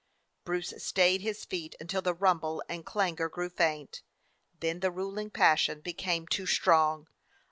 Bruce stayed his feet until the rumble and clangor grew faint; then the ruling passion became too strong.